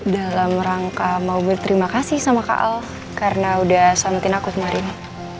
dalam rangka mau berterima kasih sama kaal karena udah selamatin aku semuanya